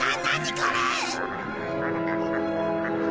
これ！